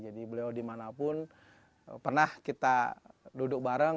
jadi beliau dimanapun pernah kita duduk bareng